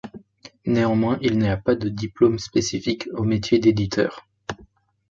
Néanmoins, il n'y a pas de diplôme spécifique au métier d'éditeur.